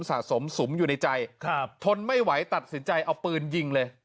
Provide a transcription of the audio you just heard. สะสมสุมอยู่ในใจครับทนไม่ไหวตัดสินใจเอาปืนยิงเลย